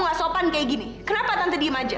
gak sopan kayak gini kenapa tante diem aja